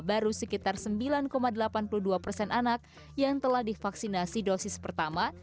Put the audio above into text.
baru sekitar sembilan delapan puluh dua persen anak yang telah divaksinasi dosis pertama